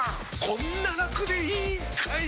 こんなラクでいいんかい！